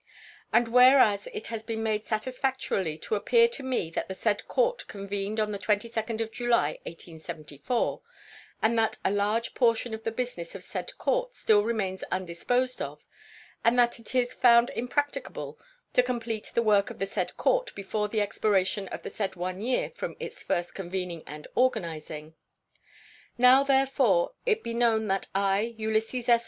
And whereas it has been made satisfactorily to appear to me that the said court convened on the 22d of July, 1874, and that a large portion of the business of said court still remains undisposed of, and that it is found impracticable to complete the work of the said court before the expiration of the said one year from its first convening and organizing: Now, therefore, be it known that I, Ulysses S.